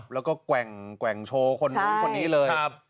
แล้วก็แกว่งแกว่งโชว์คนคนนี้เลยครับ